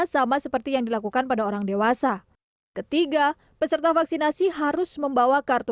sama seperti yang dilakukan pada orang dewasa ketiga peserta vaksinasi harus membawa kartu